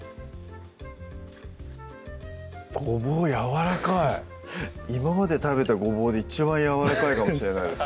ごぼうやわらかい今まで食べたごぼうで一番やわらかいかもしれないです